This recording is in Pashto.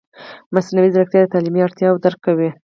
مصنوعي ځیرکتیا د تعلیمي اړتیاوو درک کوي.